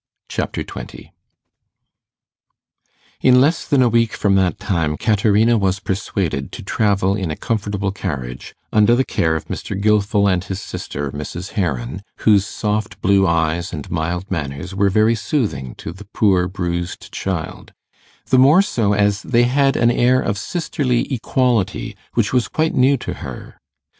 Chapter 20 In less than a week from that time, Caterina was persuaded to travel in a comfortable carriage, under the care of Mr. Gilfil and his sister, Mrs. Heron, whose soft blue eyes and mild manners were very soothing to the poor bruised child the more so as they had an air of sisterly equality which was quite new to her.